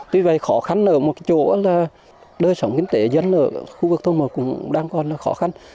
tuy vậy khó khăn ở một chỗ là đời sống kinh tế dân ở khu vực thôn cũng đang còn là khó khăn